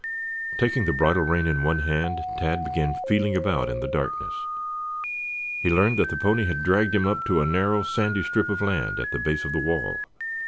Taking the bridle rein in one hand, Tad began feeling about in the darkness. He learned that the pony had dragged him up to a narrow, sandy strip of land at the base of the wall.